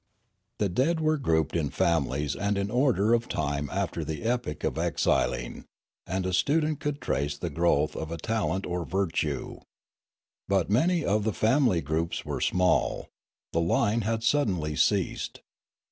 The dead were grouped in families and in order of time after the epoch of exiling, and a student could trace the growth of a talent or virtue. But many of the family groups were small ; the line had suddenly ceased.